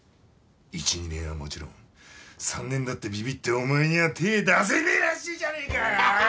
１・２年はもちろん３年だってビビってお前には手ぇ出せねえらしいじゃねえか！